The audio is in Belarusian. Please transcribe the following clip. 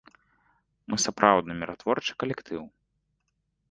Мы сапраўдны міратворчы калектыў.